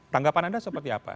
tanggapan anda seperti apa